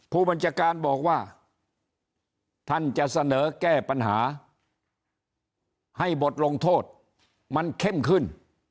ผู้บัญชาการบอกว่าท่านจะเสนอแก้ปัญหาให้บทลงโทษมันเข้มขึ้น